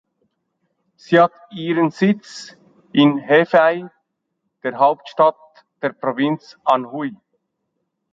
Sie hat ihren Sitz in Hefei, der Hauptstadt der Provinz Anhui.